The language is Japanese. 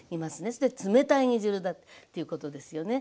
そして冷たい煮汁だっていうことですよね。